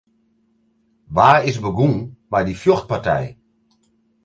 Wa is begûn mei dy fjochterij?